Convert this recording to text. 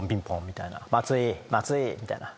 「松井松井」みたいな。